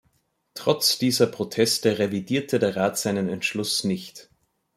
Trotz dieser Proteste revidierte der Rat seinen Entschluss nicht.